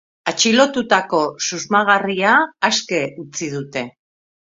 Atxilotutako susmagarria aske utzi dute.